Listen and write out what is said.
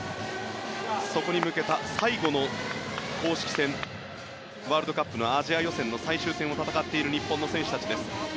そこに向けた最後の公式戦ワールドカップのアジア予選の最終戦を戦っている日本の選手たちです。